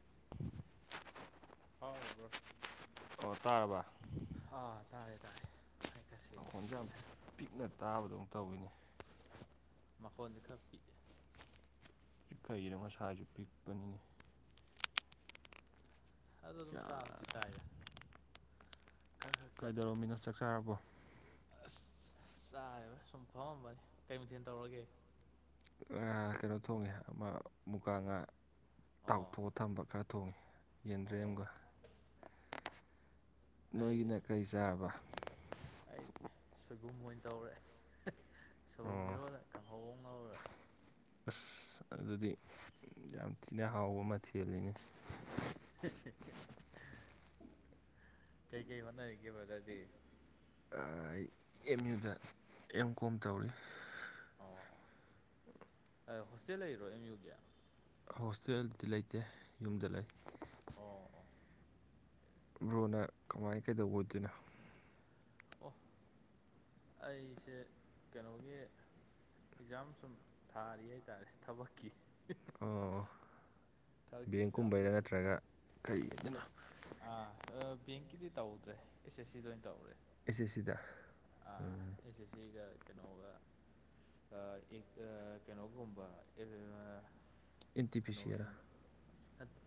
[inaudible] ꯍꯥꯎꯣ ꯑꯣ ꯇꯥꯔꯕ ꯑꯥ ꯇꯥꯔꯦ ꯇꯥꯔꯦ ꯑꯩ ꯈꯔ ꯁꯦꯡꯉꯦ ꯃꯈꯣꯟꯁꯦ ꯌꯥꯝ ꯄꯤꯛꯅ ꯇꯥꯕꯗꯧ ꯇꯧꯋꯤꯅꯦ ꯃꯈꯣꯟꯁꯦ ꯈꯔ ꯄꯤꯛꯑꯦ ꯀꯩꯩꯒꯤꯅꯣ ꯉꯁꯥꯏꯁꯨ ꯄꯤꯛꯄꯅꯤꯅꯦ ꯑꯗꯨ ꯑꯗꯨꯝ ꯇꯥꯕꯗꯤ ꯇꯥꯏꯗ ꯈꯔ ꯈꯛꯇ ꯀꯩꯗꯧꯔꯕ ꯃꯤꯅꯣ ꯆꯥꯛ ꯆꯥꯔꯕꯣ ꯆꯥꯕ ꯁꯨꯝ ꯐꯝꯃꯝꯕꯅꯤ ꯀꯩ ꯃꯊꯦꯜ ꯇꯧꯔꯒꯦ ꯀꯩꯅꯣ ꯊꯣꯡꯉꯦ ꯑꯃ ꯃꯨꯀꯥ ꯉꯥ ꯑꯣ ꯇꯥꯎꯊꯣꯛꯑ ꯊꯝꯕ ꯈꯔ ꯊꯣꯡꯉꯤ ꯌꯦꯟꯗ꯭ꯔꯦꯝ ꯑꯣ ꯑꯃꯒ ꯅꯣꯏꯒꯤꯅ ꯀꯔꯤ ꯆꯥꯔꯕ ꯑꯩꯗꯤ ꯁꯣꯏꯕꯨꯝ ꯑꯣꯏꯅ ꯇꯧꯔꯦ ꯁꯣꯏꯕꯨꯝ ꯑꯣ ꯏꯔꯣꯜꯗ ꯀꯥꯡꯍꯧ ꯃꯉꯔ ꯑꯁ ꯑꯗꯨꯗꯤ ꯌꯥꯝ ꯊꯤꯅ ꯍꯥꯎꯕ ꯃꯊꯦꯜꯜꯂꯤꯅꯦ [inaudible] ꯀꯩ ꯀꯩ ꯍꯣꯅ ꯌꯦꯒꯦꯕꯗꯤ ꯑꯩ ꯑꯦꯝ ꯌꯨꯗ ꯑꯦꯝ ꯀꯣꯝ ꯇꯧꯔꯤ ꯑꯣ ꯍꯣꯁꯇꯦꯜ ꯂꯩꯔꯣ ꯑꯦꯝ ꯌꯨꯒꯤ ꯍꯣꯁꯇꯦꯜꯗꯤ ꯂꯩꯇꯦ ꯌꯨꯝꯗ ꯂꯩ ꯑꯣ ꯑꯣ ꯕ꯭ꯔꯣꯅ ꯀꯃꯥꯏ ꯀꯩꯗꯧꯕ ꯑꯣꯏꯗꯣꯏꯅꯣ ꯑꯣ ꯑꯩꯁꯦ ꯀꯩꯅꯣꯒꯤ ꯑꯦꯛꯖꯥꯝ ꯁꯨꯝ ꯊꯥꯔꯤ ꯍꯥꯏꯇꯥꯔꯦ ꯊꯕꯛꯀꯤ ꯑꯣ ꯊꯕꯛꯀꯤ ꯑꯦꯛꯖꯥꯝ ꯕꯦꯡꯀꯨꯝꯕꯩꯗ ꯁꯨꯝ ꯅꯠꯇ꯭ꯔꯒ ꯀꯩꯗꯅꯣ ꯑꯥ ꯕꯦꯡꯀꯤꯗꯤ ꯇꯧꯗ꯭ꯔꯦ ꯑꯦꯁ ꯑꯦꯁ ꯁꯤ ꯂꯣꯏꯅ ꯇꯧꯔꯦ ꯑꯩꯁꯦ ꯁꯤꯗ ꯑꯥ ꯑꯦꯁ ꯑꯦꯁ ꯁꯤꯒ ꯀꯩꯅꯣꯒ ꯀꯩꯅꯣꯒꯨꯝꯕ ꯏꯟꯇ ꯄꯤꯁꯤꯔꯥ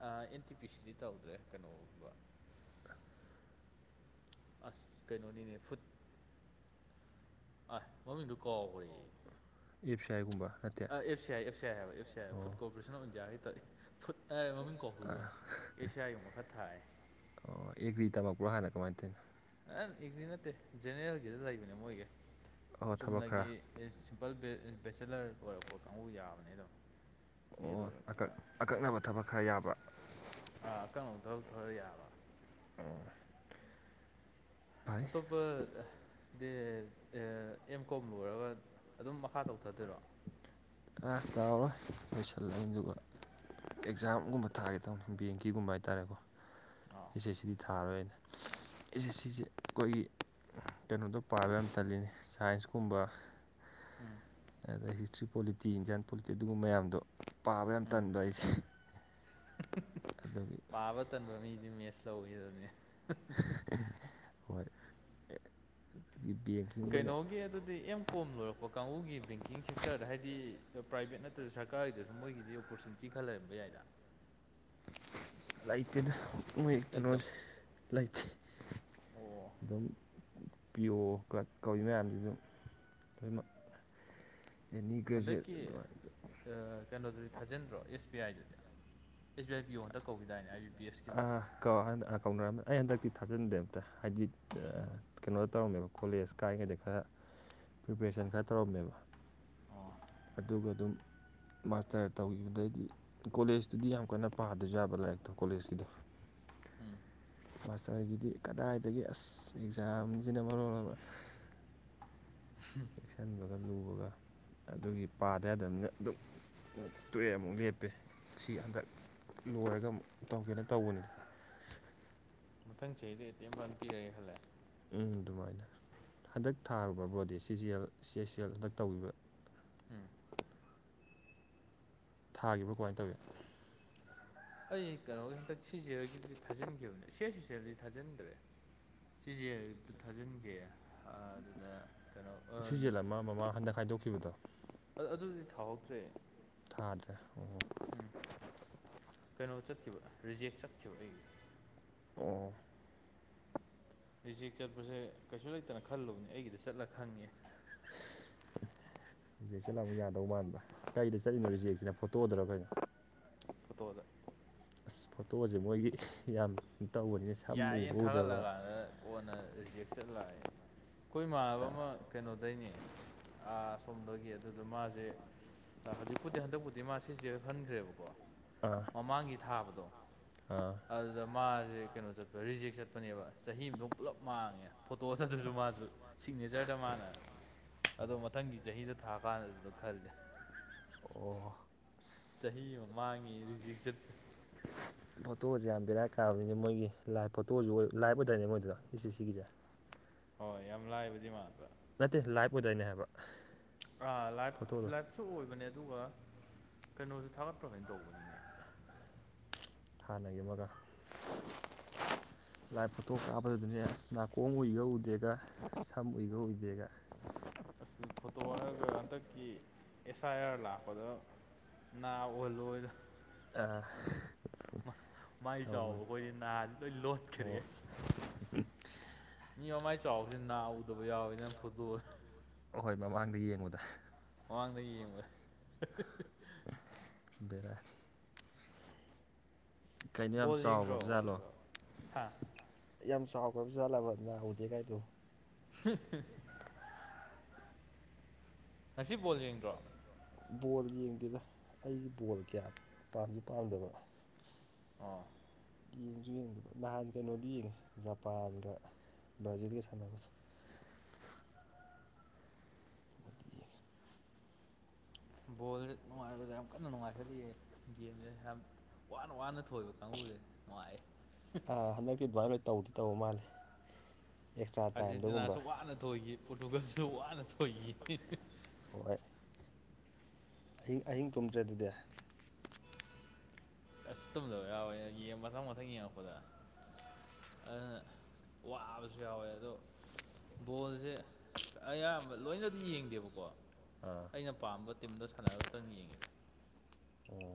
ꯑꯦꯟꯇꯤ ꯄꯤ ꯁꯤꯗꯤ ꯇꯧꯗ꯭ꯔꯦ ꯀꯩꯅꯣꯒꯕ ꯑꯁ ꯀꯩꯅꯣꯅꯤꯅꯦ ꯐꯨꯠ ꯑ ꯃꯃꯤꯡꯗꯨ ꯀꯥꯎꯈꯔ ꯑꯦ ꯄꯤ ꯁꯤ ꯑꯥꯏꯒꯨꯝꯕ ꯅꯠꯇꯦ ꯑ ꯑꯦꯐ ꯁꯤ ꯑꯦ ꯑꯦ ꯐꯨ ꯑꯣ ꯀꯣꯔꯣꯄꯣꯔꯁ ꯐꯨꯠ ꯍꯥꯏꯔꯦ ꯃꯃꯤꯡ ꯀꯣꯛꯗ ꯑꯥ, ꯑꯦꯁꯤꯌꯥꯒꯨꯝꯕ ꯈꯔ ꯊꯥꯏ ꯕꯨꯣ ꯍꯥꯏꯅ ꯀꯃꯥꯏꯅ ꯇꯧꯅꯣ ꯏꯒ꯭ꯔꯤ ꯅꯠꯇꯦ ꯖꯦꯅꯦꯔꯦꯜꯒꯤꯗ ꯂꯩꯕꯅꯦ ꯃꯣꯏꯒꯤ ꯑꯣ ꯊꯕꯛ ꯈꯔ ꯆꯨꯝꯅꯒꯤ ꯄꯄꯜ ꯕꯦꯆꯦꯂꯔ ꯑꯣꯏꯔꯛꯄ ꯀꯥꯡꯕꯨ ꯌꯥꯕꯅꯦꯗ ꯑꯣꯀ ꯑꯀꯛꯅꯕ ꯊꯕꯛ ꯈꯔ ꯌꯥꯕ꯭ꯔꯥ ꯑꯥ ꯀꯩꯅꯣ ꯊꯕꯛꯊꯔ ꯌꯥꯕ ꯑ ꯑꯇꯣꯄ ꯗ ꯑꯦꯝ ꯀꯣꯝ ꯂꯣꯏꯔꯒ ꯑꯗꯨꯝ ꯃꯈꯥ ꯇꯧꯊꯠꯇꯣꯏꯔꯣ ꯑꯥ ꯆꯥꯎꯔꯣꯏ ꯂꯣꯏꯁꯤꯜꯂꯛꯏꯅꯤ ꯑꯗꯨꯒ ꯑꯦꯛꯖꯥꯝꯒꯨꯝꯕ ꯊꯥꯒꯦ ꯇꯧꯅꯤ ꯕꯦꯡꯀꯤꯒꯨꯝꯕ ꯍꯥꯏꯇꯥꯥꯔꯦꯀꯣ ꯑꯥ ꯑꯦꯁ ꯑꯦꯆ ꯁꯤꯗꯤ ꯊꯥ ꯊꯥꯔꯣꯏ ꯑꯣꯏꯅ ꯑꯦꯁꯦ ꯁꯤꯁꯦ ꯑꯩꯈꯣꯏꯒꯤ ꯀꯩꯅꯣꯗꯣ ꯄꯥꯕ ꯌꯥꯝ ꯇꯜꯂꯤꯅꯤ ꯁꯥꯏꯟꯁꯀꯨꯝꯕ ꯎꯝ ꯑꯗ ꯍꯤꯁꯇ꯭ꯔꯤ ꯄꯣꯂꯤꯇꯤ ꯏꯟꯗꯤꯌꯥꯟ ꯄꯣꯂꯤꯇꯤ ꯑꯗꯨꯒꯨꯝꯕ ꯃꯌꯥꯝꯗꯣ ꯄꯥꯕ ꯌꯥꯝ ꯎꯝ ꯇꯟꯕ ꯑꯩꯁꯦ ꯑꯗꯨꯒꯤ ꯄꯥꯕ ꯇꯟꯕ ꯃꯤꯗꯤ ꯃꯦꯁ ꯂꯧꯈꯤꯗꯕꯅꯦ ꯑꯣ ꯕꯤ ꯀꯩꯅꯣꯒꯤ ꯑꯗꯨꯗꯤ ꯑꯦꯝ ꯀꯣꯝ ꯂꯣꯏꯔꯛꯄ ꯀꯥꯡꯕꯨꯒꯤ ꯕꯦꯡꯀꯤꯡ ꯁꯦꯛꯇꯔꯗ ꯍꯥꯏꯗꯤ ꯄ꯭ꯔꯥꯏꯚꯦꯠ ꯅꯠꯇ꯭ꯔꯒ ꯁꯔꯀꯥꯔꯒꯤꯗꯁꯨ ꯃꯣꯏꯒꯤꯗꯤ ꯑꯣꯄꯣꯔꯆꯨꯅꯤꯇꯤ ꯈꯜ ꯂꯩꯔꯝꯕ ꯌꯥꯏꯗ ꯂꯩꯇꯦꯅ ꯃꯣꯏ ꯀꯩꯅꯣ ꯂꯩꯇꯕ꯭ꯔꯣ ꯂꯩꯇꯦ ꯑꯣ ꯑꯗꯨꯝ ꯄꯤꯌꯣ ꯀ꯭ꯂꯛ ꯀꯧꯏ ꯃꯌꯥꯝꯁꯤ ꯑꯗꯨꯝ ꯑꯩ [inaudible] ꯍꯟꯗꯛꯀꯤ ꯀꯩꯅꯣꯗꯨꯗꯤ ꯊꯥꯖꯤꯟꯗ꯭ꯔꯣ ꯑꯦꯁ ꯌꯥꯏꯗꯨꯗꯤ ꯑꯦꯁ ꯕꯤ ꯑꯥꯏ ꯄꯤ ꯌꯣ ꯍꯟꯗ ꯑꯥ ꯀꯧ ꯀꯧꯅꯔꯝꯃꯦ ꯑꯩ ꯍꯟꯗꯛꯇꯤ ꯊꯥꯖꯟꯗꯦꯕ ꯍꯥꯏꯗꯤ ꯀꯩꯅꯣꯗ ꯇꯧꯔꯝꯃꯦꯕ ꯀꯣꯂꯦꯖ ꯀꯥꯏꯔꯤꯉꯩꯗ ꯈꯥꯔ ꯄ꯭ꯔꯤꯄꯔꯦꯁꯟ ꯈꯔ ꯇꯧꯔꯝꯃꯦꯕ ꯑꯣ ꯑꯗꯨꯒ ꯑꯗꯨꯝ ꯃꯥꯁꯇꯔ ꯇꯧꯈꯤꯕꯗꯩꯗꯤ ꯀꯣꯂꯦꯖꯇꯨꯗꯤ ꯌꯥꯝ ꯀꯟꯅ ꯄꯥꯗꯁꯨ ꯌꯥꯕ ꯂꯥꯏꯔꯤꯛ ꯀꯣꯂꯦꯖꯀꯤꯗꯣ ꯎꯝ ꯃꯥꯁꯇꯔꯒꯤꯗꯤ ꯀꯗꯥꯏꯗꯒꯤ ꯑꯁ ꯑꯦꯛꯖꯥꯝꯁꯤꯅ ꯃꯔꯣꯜ ꯑꯃ [unintelligible] ꯆꯦꯛꯁꯤꯟꯕꯒ ꯂꯨꯕꯒ ꯑꯗꯨꯒꯤ ꯄꯥꯗ ꯑꯗꯨꯝ ꯑꯗꯨꯝ ꯇꯣꯛꯑꯦ ꯑꯃꯨꯛ ꯂꯦꯞꯄꯦ ꯁꯤ ꯍꯟꯗꯛ ꯂꯣꯏꯔꯒ ꯑꯃ ꯇꯧꯒꯦꯅ ꯇꯧꯕꯅꯤ ꯃꯊꯪ ꯆꯍꯤꯗꯩ ꯑꯦꯇꯦꯝ ꯐꯅ ꯄꯤꯔꯒꯦ ꯈꯜꯂꯦ ꯎꯝ ꯑꯗꯨꯃꯥꯏꯅ ꯍꯟꯗꯛ ꯊꯥꯔꯨꯕ ꯕꯣꯗꯤ ꯁꯤꯖꯤꯦꯜ ꯁꯤꯁꯤ ꯑꯦꯜ ꯍꯟꯗꯛ ꯇꯧꯈꯤꯕ ꯎꯝ ꯊꯥꯈꯤꯕꯣ ꯀꯃꯥꯏꯅ ꯇꯧꯏꯤ ꯑꯩ ꯀꯩꯅꯣꯒꯤ ꯍꯟꯗꯛ ꯁꯤꯁꯦꯒꯤꯗꯤ ꯊꯥꯖꯤꯟꯈꯤꯕꯅꯦ ꯁꯤꯦ ꯁꯤꯁꯦ ꯦꯜꯗꯤ ꯊꯥꯖꯤꯟꯗ꯭ꯔꯦ ꯁꯤꯁꯦꯜꯗ ꯊꯥꯖꯤꯟꯒꯦ ꯑꯗꯨꯗ ꯀꯩꯅꯣ ꯁꯤꯖꯦꯜ ꯑ- ꯑꯃ ꯃꯃꯥ ꯍꯟꯗꯛ ꯈꯥꯏꯗꯣꯛꯈꯤꯕꯗꯣ ꯊꯍꯧꯗ꯭ꯔꯦ ꯊꯗꯔ꯭ꯦ ꯎꯝ ꯀꯩꯅꯣ ꯆꯠꯈꯤꯕ ꯔꯤꯖꯦꯛ ꯆꯠꯈꯤꯕ ꯑꯩꯒꯤ ꯑꯣ ꯔꯦꯆꯦꯛ ꯆꯠꯄꯁꯦ ꯀꯩꯁꯨ ꯂꯩꯇꯅ ꯈꯜꯂꯨꯕꯅꯦ ꯑꯩꯒꯤꯗ ꯆꯠꯂ ꯈꯪꯉꯦ ꯔꯦꯖꯦꯠ ꯆꯠꯂꯒꯥ ꯑꯃꯨꯛ ꯌꯥꯗꯣꯏ ꯃꯟꯕꯔꯥ ꯀꯩꯗ ꯆꯠꯂꯤꯅꯣ ꯔꯤꯖꯦꯛꯁꯤꯅ ꯐꯣꯠꯇꯣꯗ꯭ꯔꯥ ꯀꯩꯅꯣ ꯐꯣꯠꯇꯣꯗ ꯑꯁ ꯐꯣꯇꯣꯁꯦ ꯃꯣꯏꯒꯤ ꯌꯥꯝ ꯇꯧꯕꯅꯤꯅ ꯁꯝ ꯎꯕ ꯌꯥꯏꯌꯦꯅ ꯎꯗꯕ ꯊꯥꯒꯠꯂꯀꯥꯟꯗ ꯀꯣꯟꯅ ꯔꯤꯖꯦꯛ ꯆꯠꯂꯛꯑꯦ ꯈꯣꯏ ꯏꯃꯥꯟꯅꯕ ꯑꯃ ꯀꯩꯅꯣꯗꯩꯅꯦ ꯁꯣꯝꯗꯒꯤ ꯑꯗꯨꯗ ꯃꯥꯁꯦ ꯍꯧꯖꯤꯛꯄꯨꯗꯤ ꯍꯟꯗꯛꯄꯨꯗꯤ ꯃꯥ ꯁꯤꯁꯦ ꯍꯟꯈ꯭ꯔꯦꯕꯀꯣ ꯑꯥ ꯃꯃꯥꯡꯒꯤ ꯊꯥꯕꯗꯣ ꯑꯥ ꯑꯗꯨꯗ ꯃꯥꯁꯦ ꯀꯩꯅꯣꯁꯦ ꯆꯠꯄ ꯔꯤꯖꯦꯛ ꯆꯠꯄꯅꯦꯕ ꯆꯍꯤ ꯑꯃꯗꯧ ꯄꯨꯂꯞ ꯃꯥꯡꯉꯦ ꯐꯣꯇꯣꯗꯗꯨꯁꯨ ꯃꯥꯁꯨ ꯁꯤꯒꯅꯦꯆꯔꯗ ꯃꯥꯅ ꯑꯗꯣ ꯃꯊꯪꯒꯤ ꯆꯍꯤꯗꯣ ꯊꯥ ꯀꯥꯟ ꯑꯗꯨꯗ ꯈꯜꯂꯤ ꯑꯣ ꯆꯍꯤ ꯑꯃꯃꯥꯡꯉꯤ ꯔꯤꯖꯤꯛ ꯆꯠ ꯐꯣꯇꯣꯁꯦ ꯌꯥꯝ ꯕꯦꯔꯥ ꯀꯥꯕꯅꯤꯅ ꯃꯣꯏꯒꯤ ꯂꯥꯏ ꯐꯣꯇꯣꯁꯨ ꯑꯣꯏ ꯂꯤꯕ ꯑꯣꯏꯗꯥꯏꯅꯦ ꯃꯣꯏꯗꯨꯗ ꯏꯁꯤ ꯁꯤꯒꯤꯁꯦ ꯍꯣꯏ ꯌꯥꯝ ꯂꯥꯏꯕꯗꯤ ꯃꯟꯕꯥ ꯅꯠꯇꯦ ꯂꯥꯏꯐ ꯑꯣꯏꯗꯣꯏꯅꯦ ꯍꯥꯏꯕ ꯑꯥ ꯂꯥꯏ ꯐꯣꯇꯣꯗꯣ ꯂꯥꯏꯐꯁꯨ ꯑꯣꯏꯕꯅꯦ ꯑꯗꯨꯒ ꯀꯩꯅꯣꯗꯨ ꯊꯥꯒꯠꯇ꯭ꯔꯣ ꯑꯗꯨꯃꯥꯢ ꯇꯧꯕꯅꯤꯅꯦ ꯍꯥꯟꯅꯒꯤ ꯑꯃꯒ ꯂꯥꯏꯚ ꯐꯣꯇꯣ ꯀꯥꯞꯄꯗꯨꯗꯅꯦ ꯑꯁ ꯅꯥꯀꯣꯡ ꯎꯏꯒ ꯎꯗꯦꯒ ꯁꯝ ꯎꯏꯒ ꯎꯏꯗꯦꯒ ꯑꯁ ꯐꯣꯇꯣ ꯍꯥꯏꯔꯒ ꯍꯟꯗꯛꯀꯤ ꯑꯦꯁ ꯑꯥꯏ ꯑꯥꯔ ꯂꯥꯛꯄꯗ ꯅꯥ ꯎꯍꯥꯜꯂꯣꯅ ꯑ ꯃꯥꯏ ꯆꯥꯎꯕ ꯇꯧꯕꯅꯦ ꯑꯩꯈꯣꯏꯗꯤ ꯅꯥꯗꯤ ꯂꯣꯏ ꯂꯣꯠꯈ꯭ꯔꯦ [inaudible] ꯃꯤ ꯑꯃꯃꯥꯏ ꯆꯥꯎꯕꯁꯤ ꯅꯥ ꯎꯗꯕ ꯌꯥꯎꯋꯅꯤꯅ ꯐꯣꯇꯣ ꯑꯍꯣꯏ ꯃꯃꯥꯡꯗ ꯌꯦꯡꯉꯨꯗ ꯃꯃꯥꯡꯗ ꯌꯦꯡꯕ ꯕꯦꯔꯥꯅꯤ ꯀꯩꯅꯣ ꯌꯥꯝ ꯕꯣꯜ ꯆꯥꯎꯕ꯭ꯔ ꯌꯦꯡꯗ꯭ꯔꯣ ꯋꯥꯔꯜ ꯕꯖꯥꯠꯂꯣ ꯀꯞ ꯍꯥ ꯌꯥꯝ ꯆꯥꯎꯈ꯭ꯔꯕꯁꯨꯖꯥꯠꯂꯕ ꯅꯅꯥꯎꯗꯦ ꯀꯥꯏꯗꯣ [unintelligible] ꯉꯁꯤꯕꯣꯜ ꯌꯦꯡꯗ꯭ꯔꯣ ꯕꯣꯜ ꯌꯦꯡꯗꯦꯗ ꯑꯩꯁ ꯕꯣꯜ ꯀꯌꯥ ꯄꯥꯝꯁꯨ ꯄꯥꯝꯗꯕ ꯑꯣ ꯌꯦꯡꯁꯨ ꯌꯦꯡꯗꯕ ꯅꯍꯥꯟ ꯀꯩꯅꯣꯗꯤ ꯌꯦꯡꯉꯦ ꯖꯄꯥꯟꯒ ꯖꯠꯒ ꯁꯅꯥ ꯀꯁ ꯕꯣꯜ ꯅꯨꯡꯉꯥꯏꯕꯗ ꯌꯥꯝ ꯀꯟꯅ ꯅꯨꯡꯉꯥꯏꯈꯜꯂꯤꯑ ꯒꯦꯝꯁꯦ ꯌꯥꯝ ꯋꯥꯅ ꯋꯥꯅ ꯊꯣꯛꯏꯕ ꯀꯥꯡꯕꯨꯁꯦ ꯅꯨꯡꯉꯥꯏꯑꯦ ꯑ ꯍꯟꯗꯛꯇꯤ ꯑꯗꯨꯃꯥꯏꯅ ꯂ ꯇꯧꯗꯤ ꯇꯧꯕ ꯃꯥꯜꯂꯦ ꯑꯦꯛꯁꯇ꯭ꯔꯥ ꯇꯥꯏꯝꯗꯒꯨꯝꯕ ꯑꯥꯔꯖꯦꯟꯇꯤꯅꯥꯁꯨ ꯋꯥꯅ ꯊꯣꯏꯈꯤ ꯄꯣꯔꯇꯨꯒꯜꯁꯨ ꯋꯥꯅ ꯊꯣꯏꯈꯤ ꯍꯣꯏ ꯑꯍꯤꯡ ꯑꯍꯤꯡ ꯇꯨꯝꯗ꯭ꯔꯦ ꯑꯗꯨꯗꯤ ꯑꯁ ꯇꯨꯝꯗꯕ ꯌꯥꯎꯋꯦ ꯃꯊꯪ ꯃꯊꯪ ꯌꯦꯡꯉꯛꯄꯗ ꯑꯗꯨꯅ ꯋꯥꯕꯁꯨ ꯌꯥꯎꯋꯦ ꯑꯗꯣ ꯕꯣꯜꯁꯦ ꯑꯌꯥꯝꯕ ꯂꯣꯏꯅꯗꯤ ꯌꯦꯡꯗꯦꯕꯀꯣ ꯑꯥ ꯑꯩꯅ ꯄꯥꯝꯕ ꯇꯤꯝꯗ ꯁꯥꯟꯅꯔꯒ ꯈꯛꯇꯪ ꯌꯦꯡꯉꯤꯗ ꯎꯝ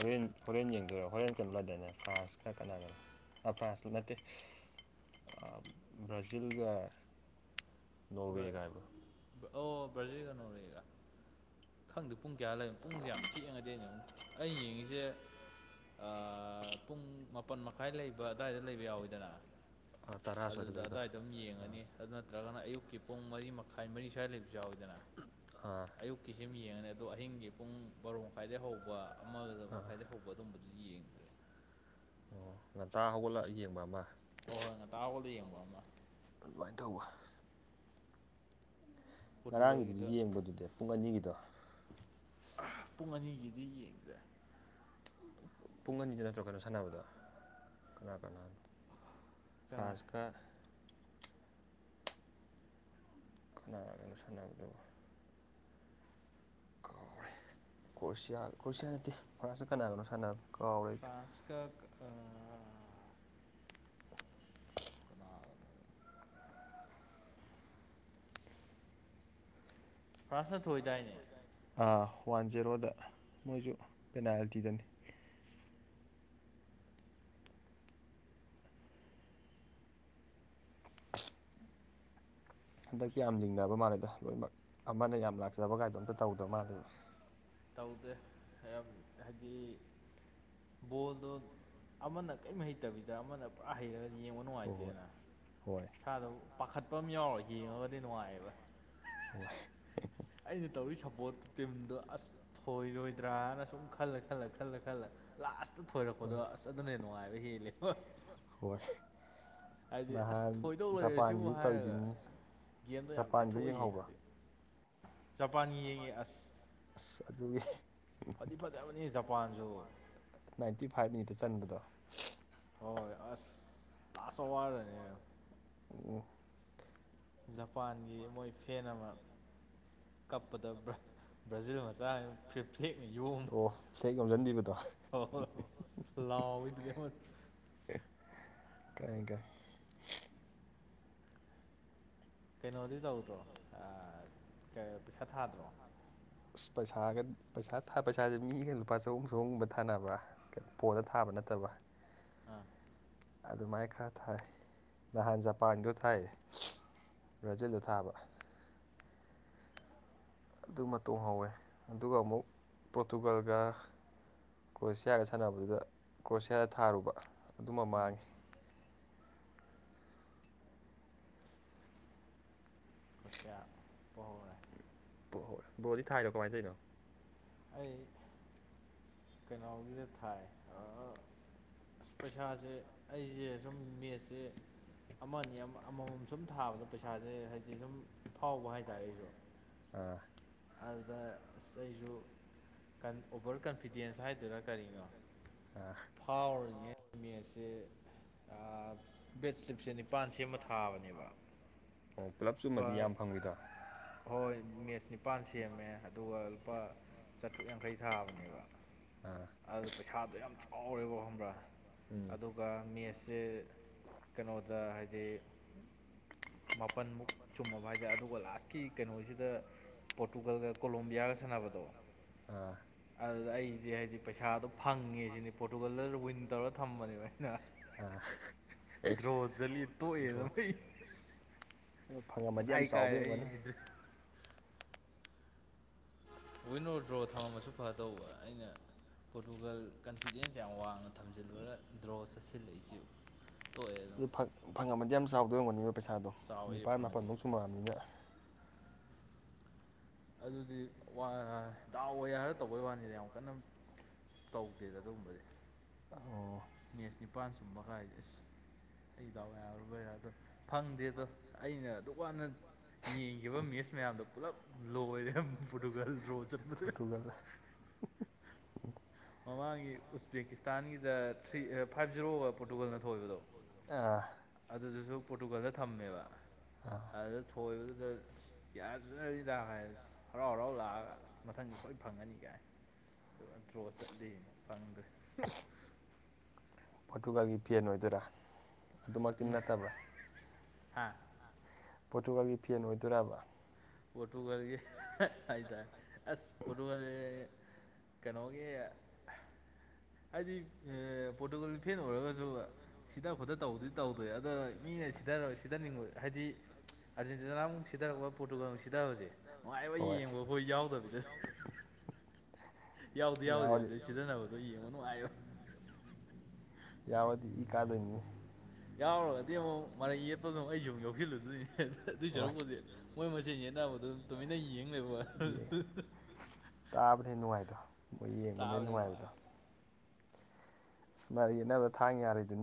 ꯍꯣꯔꯦꯟ ꯍꯣꯔꯦꯟ ꯌꯦꯡꯗꯣꯏꯔꯣ ꯍꯣꯔꯦꯟ ꯀꯩꯅꯝꯗꯅꯦ ꯐ꯭ꯔꯥꯟꯁꯀ ꯀꯅꯥꯅꯗꯅꯣ ꯑ ꯐ꯭ꯔꯥꯁ ꯃꯦ ꯑ ꯕ꯭ꯔꯖꯤꯤꯜꯒ ꯅꯣꯋꯦꯒꯥꯏꯕ ꯕꯖꯔꯤꯒꯅꯧꯔꯦꯒ ꯈꯪꯗꯦ ꯄꯨꯡ ꯀꯌꯥ ꯂꯩꯕꯅꯣ ꯄꯨꯡꯁꯦ ꯌꯥꯝ ꯊꯦꯡꯉꯗꯤ ꯑꯩꯅ ꯑꯃꯨꯛ ꯑꯩ ꯌꯦꯡꯉꯤꯁꯦ ꯄꯨꯡ ꯃꯥꯄꯜ ꯃꯈꯥꯏ ꯂꯩꯕ ꯑꯋꯥꯏꯗ ꯂꯩꯕ ꯌꯥꯎꯋꯤꯗꯅ ꯑꯥ ꯇꯔꯥ ꯁ꯭ꯋꯥꯏꯗ ꯑꯗꯨꯗ ꯂꯩꯕꯗꯣ ꯑꯗꯨꯗꯥꯋꯥꯏꯗꯝ ꯌꯦꯡꯉꯅꯤ ꯑꯗꯨ ꯅꯠꯇ꯭ꯔꯒꯅ ꯑꯌꯨꯛꯀꯤ ꯄꯨꯡ ꯃꯔꯤ ꯃꯈꯥꯏ ꯃꯔꯤ ꯁꯂꯤꯕ ꯆꯥꯎꯎꯋꯤꯗꯅ ꯑꯥ ꯑꯌꯨꯛꯀꯤꯁꯤ ꯌꯦꯡꯉꯅꯤ ꯑꯗꯣ ꯑꯍꯤꯡꯒꯤ ꯄꯨꯡ ꯕꯥꯔꯣ ꯃꯈꯥꯏꯗꯩ ꯍꯧꯕ ꯑꯃꯒ ꯑꯥ ꯃꯈꯥꯏꯗꯩ ꯍꯧꯕ ꯑꯗꯨꯝꯕꯗꯨ ꯑꯣ ꯉꯟꯇꯥ ꯍꯧꯒꯠꯂ ꯌꯦꯡꯕ ꯑꯃ ꯍꯣꯏ ꯍꯣꯏ ꯉꯇꯥ ꯍꯒꯥꯎꯜꯗ ꯌꯦꯡꯕ ꯑꯃ ꯑꯗꯨꯃꯥꯏꯅ ꯇꯧꯕ ꯄꯣꯔꯇꯨꯒꯜꯒꯤꯗ ꯉꯔꯥꯡꯒꯤꯗꯨꯗꯤ ꯌꯦꯡꯕꯗꯨꯗꯤ ꯄꯨꯡ ꯑꯅꯤꯒꯤꯗꯣ ꯄꯨꯡ ꯑꯅꯤꯒꯤꯗꯤ ꯌꯦꯡꯗ꯭ꯔꯦ ꯄꯨꯡ ꯑꯅꯤꯗ ꯅꯠꯇ꯭ꯔꯣ ꯀꯩꯅꯣ ꯁꯥꯟꯅꯕꯗ ꯀꯅꯥ ꯀꯅꯥꯅꯣ ꯀꯅꯥ ꯐ꯭ꯔꯥꯟꯁꯀ ꯈꯨꯅꯥꯒꯅ ꯁꯥꯟꯅꯕꯗꯨꯕꯨ ꯀ ꯀꯁꯤꯌꯥ ꯀꯁꯤꯌꯥ ꯅꯠꯇꯦ ꯐꯁꯨ ꯀꯅꯥꯒꯅꯣ ꯁꯥꯟꯅꯕꯅꯦ ꯐ꯭ꯔꯥꯟꯁ ꯀ ꯀꯅꯥꯒꯅꯣ ꯐ꯭ꯔꯥꯟꯁꯅ ꯊꯣꯛꯣꯏꯏꯗꯥꯏꯅꯦ ꯋꯥꯟ ꯖꯦꯔꯣꯗ ꯃꯣꯏꯁꯨ ꯄꯦꯅꯥꯜꯇꯤꯗꯅꯤ ꯍꯟꯗꯛꯇꯤ ꯌꯥꯝ ꯂꯤꯡꯅꯕ ꯃꯥꯜꯂꯦꯗ ꯂꯣꯏꯅꯃꯛ ꯑꯃꯅ ꯌꯥꯝ ꯂꯥꯛꯆꯕ ꯀꯥꯏꯗꯣ ꯑꯝꯇ ꯇꯧꯗꯧ ꯃꯥꯜꯂꯦ ꯇꯧꯗꯦꯌꯥꯝ ꯍꯥꯏꯗꯤ ꯕꯣꯜꯗꯣ ꯑꯃꯅ ꯀꯔꯤꯝ ꯍꯩꯇꯕꯤꯗ ꯑꯃꯅ ꯄꯨꯔꯥ ꯍꯩꯔꯒ ꯌꯦꯡꯕ ꯍꯣꯏ ꯅꯨꯡꯉꯥꯏꯇꯦꯗꯅ ꯍꯣꯏ ꯏꯁꯗ ꯄꯥꯈꯠꯄ ꯑꯃ ꯌꯥꯎꯔꯣ ꯌꯦꯡꯉꯒꯗꯤ ꯅꯨꯡꯉꯥꯏꯑꯕ ꯑ ꯑꯩꯅ ꯇꯧꯔꯤ ꯁꯞꯄꯣꯔꯠꯇ ꯇꯤꯝꯗꯨ ꯑꯁ ꯊꯣꯏꯔꯣꯏꯗ꯭ꯔꯥꯅ ꯁꯨꯝ ꯈꯜꯂ ꯈꯜꯂ ꯈꯜꯂ ꯈꯜꯂ ꯂꯥꯁꯇ ꯊꯣꯏꯔꯛꯄꯗꯣ ꯍꯣꯏ ꯑꯁ ꯑꯗꯨꯅꯦ ꯅꯨꯡꯉꯥꯏꯕ ꯍꯦꯜꯂꯦꯕ ꯈꯁ ꯍꯥꯏꯗꯤ ꯑꯁ ꯊꯣꯏꯗꯣꯛ ꯂꯩꯔꯁꯤꯕꯨ ꯍꯥꯏꯔꯒ ꯇꯧꯔꯤꯗꯨꯅꯤ ꯒꯦꯝꯗꯣ ꯌꯥꯝ ꯖꯄꯥꯟꯗꯣ ꯂꯥꯏꯊꯣꯛꯑ ꯌꯦꯡꯍꯧꯕ꯭ꯔꯣ ꯌꯦꯡꯉꯗꯤ ꯖꯄꯥꯟꯒꯤ ꯌꯦꯡꯉꯤ ꯑꯁ ꯑꯁ ꯑꯗꯨꯒꯤ ꯐꯗꯤ ꯐꯖꯕꯅꯤ ꯖꯄꯥꯟꯁꯨ ꯅꯥꯏꯟꯇꯤ ꯐꯥꯏꯚ ꯃꯤꯅꯤꯠꯇ ꯆꯟꯕꯗꯣ ꯍꯣꯏ ꯑꯁ ꯂꯥꯁ ꯑꯋꯥꯔꯗꯅꯦ ꯑ ꯖꯄꯥꯟꯒꯤ ꯃꯣꯏ ꯐꯦꯟ ꯑꯃ ꯀꯞꯄꯗ ꯕ꯭ꯔꯥꯖꯤꯜ ꯃꯆꯥ ꯐꯤꯞ ꯐꯦꯛꯅ ꯌꯣꯝ ꯑꯣ ꯐ꯭ꯂꯦꯛ ꯌꯣꯝꯁꯤꯟꯕꯤꯕꯗꯣ ꯍ ꯍꯣꯏ ꯂꯥꯎꯑꯣꯏꯗꯨꯉ ꯀꯥꯏ ꯀꯥꯏ ꯀꯩꯅꯣꯗꯤ ꯇꯧꯗ꯭ꯔꯣ ꯄꯩꯁꯥ ꯊꯥꯗ꯭ꯔꯣ ꯑꯁ ꯄꯩꯁꯥꯒ ꯄꯩꯁꯥ ꯄꯩꯁꯥꯁꯦ ꯃꯤꯒ ꯂꯨꯄꯥ ꯆꯍꯨꯝ ꯆꯍꯨꯝꯒꯨꯝꯕ ꯊꯥꯅꯕ ꯄꯣꯗ ꯊꯥꯕ ꯅꯠꯇꯕ ꯑꯥ ꯑꯗꯨꯃꯥꯏ ꯈꯔ ꯊꯥꯏ ꯅꯍꯥꯟ ꯖꯄꯥꯟꯗ ꯊꯥꯏ ꯕ꯭ꯔꯥꯖꯤꯜꯗ ꯊꯥꯕ ꯑꯗꯨꯃ ꯇꯣꯡꯍꯧꯋꯦ ꯑꯗꯨꯒ ꯑꯃꯨꯛ ꯄꯣꯔꯇꯨꯒꯜꯒ ꯀ꯭ꯔꯣꯑꯁꯤꯌꯥꯒ ꯁꯥꯟꯅꯕꯗꯨꯗ ꯀ꯭ꯔꯣꯑꯁꯤꯌꯥꯗ ꯊꯥꯔꯨꯕ ꯑꯗꯨꯃ ꯃꯥꯡꯉꯤ ꯈꯨꯁꯤꯌꯥ ꯄ ꯍꯧꯧꯔꯦ ꯑꯣ ꯍꯣꯏ ꯕ꯭ꯔꯣꯗꯤ ꯊꯥꯏꯅꯣ ꯀꯃꯥꯏꯅꯧꯔꯤꯅꯣ ꯑꯩ ꯀꯩꯅꯣꯒꯤꯗ ꯊꯥꯏ ꯑꯁ ꯄꯩꯁꯥꯁꯦ ꯑꯩꯁꯦ ꯁꯨꯝ ꯃꯦꯠꯁꯁꯦ ꯑꯃꯅꯤ ꯑꯃꯃꯝ ꯁꯨꯝ ꯊꯥꯕꯗꯣ ꯄꯩꯁꯥꯁꯦ ꯍꯥꯏꯗꯤ ꯁꯨꯝ ꯐꯥꯎꯕ ꯍꯥꯏꯇꯥꯔꯦ ꯑꯩꯁꯨ ꯑꯥ ꯑꯗꯨꯗ ꯑꯁ ꯑꯩꯁꯨ ꯑꯣꯚꯔ ꯀꯟꯐꯤꯗꯦꯟꯁ ꯍꯥꯏꯗꯨꯔꯥ ꯀꯔꯤꯅꯣ ꯑꯥ ꯐꯥꯎꯔꯤꯉꯩ ꯃꯠꯁꯦ ꯕꯦꯠꯁꯤꯂꯤꯞꯁꯦ ꯅꯤꯄꯥꯥꯟ ꯁꯦꯝꯃ ꯊꯥꯕꯅꯦꯕ ꯑꯣ ꯄꯨꯂꯞ ꯂꯨꯄꯥ ꯆꯨꯝꯃꯗꯤ ꯌꯥꯝ ꯐꯪꯉꯗꯣ ꯍꯣꯏ ꯃꯦꯁ ꯅꯤꯄꯥꯥꯟ ꯁꯦꯝꯃꯦ ꯑꯗꯨꯒ ꯂꯨꯄꯥ ꯆꯥꯇ꯭ꯔꯨꯛ ꯌꯥꯡꯈꯩ ꯊꯥꯕꯅꯦꯕ ꯑꯥ ꯑꯗꯨ ꯄꯩꯁꯥꯗꯣ ꯌꯥꯝ ꯆꯥꯎꯔꯦꯕ ꯈꯪꯕ꯭ꯔꯥ ꯎꯝ ꯑꯗꯨꯒ ꯃꯦꯁꯁꯦ ꯀꯩꯅꯣꯗ ꯍꯥꯏꯗꯤ ꯃꯥꯄꯜꯃꯨꯛ ꯆꯨꯝꯃꯕ ꯍꯥꯏꯇꯥꯔꯦ ꯑꯗꯨꯒ ꯂꯥꯁꯀꯤ ꯀꯩꯅꯣꯁꯤꯗ ꯄꯣꯔꯇꯨꯒꯜꯒ ꯀꯣꯂꯣꯝꯕꯤꯌꯥꯒ ꯁꯥꯟꯅꯕꯗꯣ ꯑꯥ ꯑꯩꯁꯦ ꯍꯥꯏꯗꯤ ꯄꯩꯁꯥꯗꯣ ꯐꯪꯉꯦ ꯁꯤꯅꯤ ꯄꯣꯔꯇꯨꯒꯜꯗ ꯋꯤꯟ ꯇꯧꯔꯒ ꯑꯥ ꯗ꯭ꯔꯣ ꯆꯠꯂꯤ ꯇꯣꯛꯑꯦꯅ ꯗ꯭ꯔꯣꯁ ꯑꯩꯩ ꯑꯗꯨ ꯐꯪꯉꯝꯃꯗꯤ ꯌꯥꯝ ꯆꯥꯎꯗꯣꯏ ꯑꯣꯏꯝꯒꯅꯤ ꯋꯤꯟꯅꯣ ꯗ꯭ꯔꯣ ꯊꯝꯃꯝꯃꯁꯨ ꯐ ꯇꯧꯕ ꯑꯩꯅ ꯄꯣꯔꯇꯨꯒꯜ ꯀꯟꯐꯤꯗꯦꯟꯁ ꯌꯥꯝ ꯋꯥꯡꯅ ꯊꯝꯖꯤꯜꯂꯔ ꯗ꯭ꯔꯣ ꯆꯠꯁꯤꯜꯂꯛꯏꯁꯤ ꯑꯇꯣꯛꯑꯦ ꯑꯗꯨꯝ ꯑꯗꯨ ꯐꯪꯉꯝꯃꯗꯤ ꯌꯥꯝ ꯆꯥꯎꯗꯧꯔꯝꯒꯅꯦꯕ ꯄꯩꯁꯥꯗꯣ ꯆꯥꯎꯋꯦ ꯅꯤꯄꯥꯥꯟ ꯐꯪꯉꯗꯤ ꯃꯥꯄꯜꯃꯨꯛ ꯁꯨꯝꯃꯛꯑꯅꯤꯅ ꯑꯗꯨꯗꯤ ꯇꯗꯥꯕ ꯌꯥ ꯍꯥꯏꯔ ꯇꯧꯕꯩ ꯋꯥꯅꯤꯗ ꯌꯥꯝ ꯀꯟꯅ ꯇꯧꯗꯦꯗ ꯑꯗꯨꯒꯨꯝꯕꯗꯤ ꯑꯣ ꯃꯦꯠꯁ ꯅꯤꯄꯥꯟ ꯁꯨꯝꯕ ꯀꯥꯏꯗ ꯑꯁ ꯑꯩꯗꯥꯎꯏ ꯌꯥꯎꯨꯔꯕꯣꯏꯔꯥ ꯑꯗꯣ ꯐꯪꯗꯦ ꯑꯗꯣ ꯑꯩꯅ ꯑꯗꯨꯀꯥꯟꯅ ꯌꯦꯡꯈꯤꯕ ꯃꯦꯠꯁ ꯃꯌꯥꯝꯗꯣ ꯄꯨꯂꯞ ꯂꯣꯏꯔꯦ ꯐꯨꯠꯕꯜ ꯗ꯭ꯔꯣ ꯆꯠꯄꯗ [unintelligible] ꯃꯃꯥꯡꯒꯤ ꯎꯖꯕꯦꯛꯀꯤꯁꯇꯥꯟꯒꯤꯗ ꯊ꯭ꯔꯤ ꯐꯥꯏꯚ ꯖꯤꯔꯣ ꯑꯣꯏ ꯄꯣꯔꯇꯨꯒꯜꯅ ꯊꯣꯛꯏꯕꯗꯣ ꯑꯥ ꯑꯗꯨꯗꯨꯁꯨ ꯄꯣꯔꯇꯨꯒꯜꯗ ꯊꯝꯃꯦꯕ ꯑꯥ ꯑꯗꯨꯗ ꯊꯕꯗꯨ ꯑꯗ ꯑꯁ ꯀꯌꯥ ꯁꯅꯖꯤ ꯇ ꯑ ꯍꯔꯥꯎ ꯍꯔꯥꯎ ꯂꯥꯛꯑꯒ ꯑꯁ ꯃꯊꯪꯁꯨ ꯁꯣꯏꯅ ꯐꯪꯉꯅꯤ ꯀꯥꯏ ꯑꯗꯨ ꯗ꯭ꯔꯣ ꯆꯠꯂꯤꯅ ꯐꯪꯗ꯭ꯔꯦ ꯄꯣꯔꯇꯨꯒꯥꯜꯒꯤ ꯐꯦꯟ ꯑꯣꯏꯗꯣꯏꯔꯥ ꯑꯗꯨꯃꯛꯇꯤ ꯅꯠꯇꯕ꯭ꯔꯥ ꯍꯥꯥ ꯄꯣꯇꯨꯒꯥꯜꯒꯤ ꯐꯦꯟ ꯑꯣꯏꯗꯣꯏꯕ ꯄꯣꯇꯨꯒꯜꯒ ꯍꯥꯏꯇ ꯑꯁ ꯄꯣꯇꯨꯒꯜꯦ ꯀꯩꯅꯣꯒꯤ [unintelligible] ꯍꯥꯏꯗꯤ ꯄꯣꯔꯇꯨꯀꯜ ꯐꯦꯟ ꯑꯣꯏꯔꯒꯁꯨ ꯁꯤꯗ ꯈꯨꯠꯇ ꯇꯧꯗꯤ ꯇꯧꯗꯣꯏꯦ ꯑꯗ ꯃꯤꯅ ꯁꯤ ꯁꯤꯗꯔꯣꯏ ꯁꯤꯗ ꯅꯤꯡꯉꯣꯏ ꯍꯥꯏꯗꯤ ꯑꯥꯔꯖꯦꯟꯇꯤꯅꯥꯛ ꯅꯨꯡ ꯁꯤꯊꯔꯛꯄ ꯄꯣꯠꯇꯨꯒ ꯅꯨꯡ ꯁꯤꯊꯕꯁꯦ ꯅꯨꯡꯉꯥꯏꯕ ꯍꯣꯏ ꯌꯦꯡꯕ ꯑꯩꯈꯣꯏ ꯌꯥꯎꯗꯕꯤꯗ ꯌꯥꯎꯗꯤ ꯌꯥꯎꯗꯦ ꯑꯗꯨ ꯌꯥꯎꯔꯤ ꯑꯗꯨꯗꯤ ꯁꯤꯗꯟꯅꯕꯗꯣ ꯌꯦꯡꯉꯣ ꯅꯨꯡ ꯍꯥꯏꯌꯣ ꯌꯥꯎꯗꯤ ꯏ ꯀꯥꯗꯅꯤꯅꯤ ꯌꯥꯎꯔꯒꯗꯤ ꯑꯃꯨꯛ ꯃꯔꯩ ꯌꯦꯠꯄꯗꯣ ꯑꯩꯁꯨ ꯑꯃꯨꯛ ꯌꯥꯧꯁꯤꯜꯂꯨꯗꯣꯏꯅꯦ ꯑꯗꯨꯏ ꯍꯣꯏ ꯁꯔꯨꯛꯄꯨꯗꯤ ꯃꯣꯏ ꯃꯁꯦꯟ ꯑꯕꯗ ꯇꯨꯃꯤꯟꯅ ꯌꯦꯡꯕ ꯌꯦꯡꯉꯦ ꯇꯥꯕꯅ ꯍꯦꯟꯅ ꯅꯨꯡꯉꯥꯏꯗꯣ ꯃꯣꯏ ꯌꯦꯡꯕꯅ ꯍꯦꯟꯅ ꯇꯥꯕꯅ ꯅꯨꯡꯉꯥꯏ ꯅꯨꯡꯉꯥꯏꯕꯗꯣ ꯑꯁ ꯃ ꯌꯦꯅꯕ ꯊꯥꯡ ꯌꯥꯔꯗꯨꯅꯤ